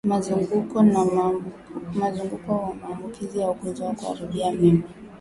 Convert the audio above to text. Mzunguko wa maambukizi ya ugonjwa wa kuharibu mimba